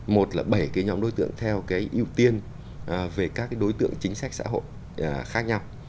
một là bảy cái nhóm đối tượng theo cái ưu tiên về các đối tượng chính sách xã hội khác nhau